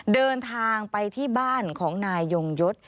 เดินทางไปที่บ้านของนายยงยศ